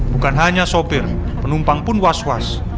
bukan hanya sopir penumpang pun was was